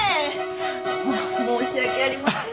申し訳ありません。